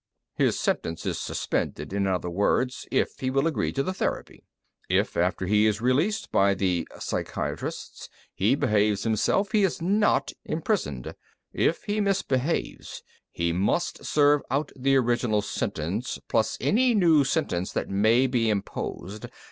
"His sentence is suspended, in other words, if he will agree to the therapy. If, after he is released by the psychiatrists, he behaves himself, he is not imprisoned. If he misbehaves, he must serve out the original sentence, plus any new sentence that may be imposed.